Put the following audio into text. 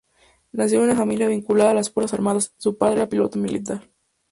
Nació en una familia vinculada a las Fuerzas Armadas; su padre era piloto militar.